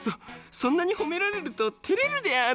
そんなにほめられるとてれるであるドン。